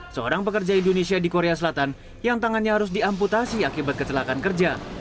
seorang pekerja indonesia di korea selatan yang tangannya harus diamputasi akibat kecelakaan kerja